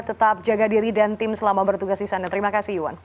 tetap jaga diri dan tim selama bertugas di sana terima kasih iwan